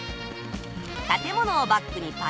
建物をバックにパチリ。